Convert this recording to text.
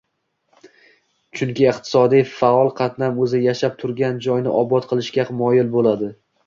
chunki iqtisodiy faol qatlam o‘zi yashab turgan joyni obod qilishga moyil bo‘ladi.